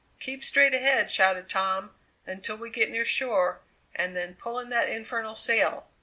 "Keep straight ahead," shouted Tom, "until we get near shore, and then pull in that infernal sail!"